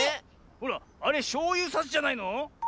ほらあれしょうゆさしじゃないの？